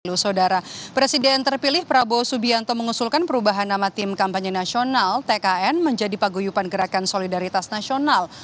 loh saudara presiden terpilih prabowo subianto mengusulkan perubahan nama tim kampanye nasional tkn menjadi paguyupan gerakan solidaritas nasional